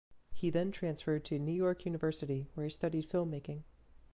He then transferred to New York University where he studied filmmaking.